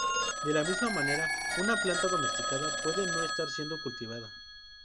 De la misma manera una planta "domesticada" puede no estar siendo "cultivada".